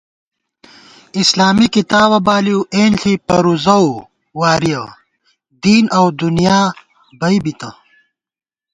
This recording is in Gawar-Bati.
اِسلامی کتابہ بالِؤ اېنݪی پرُوزَؤ وارِیَہ دین اؤ دُنیا بئ بِتہ